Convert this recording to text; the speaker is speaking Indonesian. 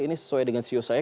ini sesuai dengan siu saya